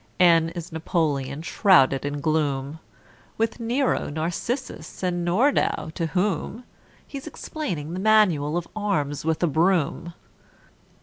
=N= is =N=apoleon, shrouded in gloom, With =N=ero, =N=arcissus, and =N=ordau, to whom He's explaining the manual of arms with a broom.